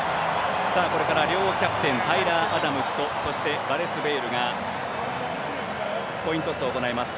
これから両キャプテンタイラー・アダムズとそして、ガレス・ベイルがコイントスを行います。